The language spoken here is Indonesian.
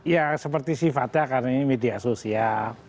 ya seperti sifatnya karena ini media sosial